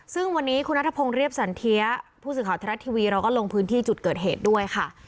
ซึ่งวันนี้คุณนัทพงศ์เรียบสันเทียผู้สื่อข่าวทรัฐทีวีเราก็ลงพื้นที่จุดเกิดเหตุด้วยค่ะ